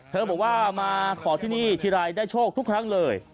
บอกว่ามาขอที่นี่ทีไรได้โชคทุกครั้งเลย